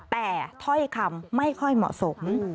แต่เท้าขำไม่ค่อยเหมาะสม